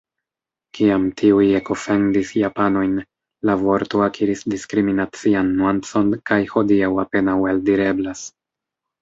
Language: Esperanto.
Kiam tiuj ekofendis japanojn, la vorto akiris diskriminacian nuancon kaj hodiaŭ apenaŭ eldireblas.